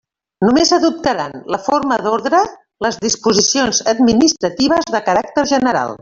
Només adoptaran la forma d'orde les disposicions administratives de caràcter general.